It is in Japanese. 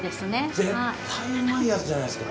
絶対うまいやつじゃないですか！